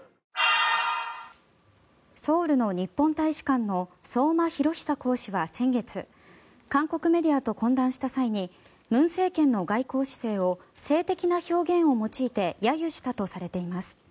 ソウルの日本大使館の相馬弘尚公使は先月韓国メディアと懇談した際に文政権の外交姿勢を性的な表現を用いて揶揄したとされています。